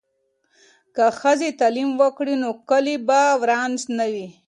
که ښځې تعلیم وکړي نو کلي به وران نه وي.